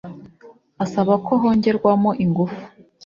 asaba ko hongerwamo ingufu